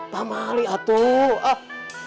pah mali atuh